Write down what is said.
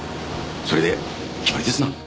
それで決まりですな。